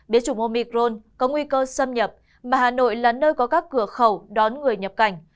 đế chủng omicron có nguy cơ xâm nhập mà hà nội là nơi có các cửa khẩu đón người nhập cảnh